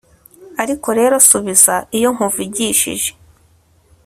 ariko rero, subiza, iyo nkuvugishije